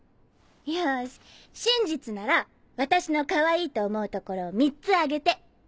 よし真実なら私のかわいいと思うところを３つ挙げて。